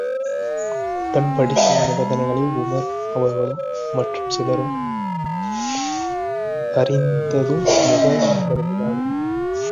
உடன்படிக்கையின் நிபந்தனைகளை உமர் அவர்களும் மற்றும் சிலரும் அறிந்ததும் மிக வருந்தினார்கள்.